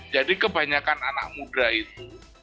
jadi kebanyakan anak muda itu